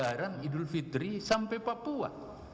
perayaan idul fitri sampai papua